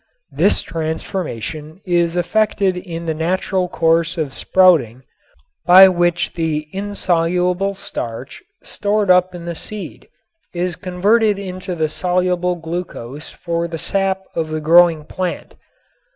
This transformation is effected in the natural course of sprouting by which the insoluble starch stored up in the seed is converted into the soluble glucose for the sap of the growing plant.